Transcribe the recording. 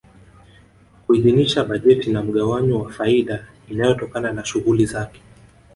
Kuidhinisha bajeti na mgawanyo wa faida inayotokana na shughuli zake